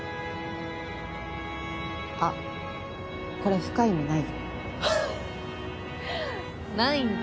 あっこれ深い意味ないよ。ははっないんだ。